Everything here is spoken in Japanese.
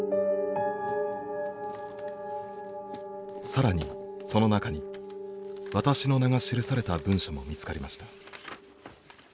更にその中に私の名が記された文書も見つかりました。